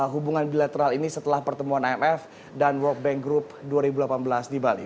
hubungan bilateral ini setelah pertemuan imf dan world bank group dua ribu delapan belas di bali